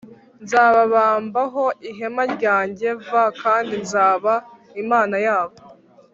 Nzababambaho ihema ryanjye v kandi nzaba Imana yabo